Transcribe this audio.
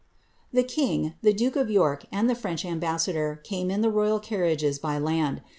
The king, the duke of York, and the French ambassador came in the Toyvl carriages by land.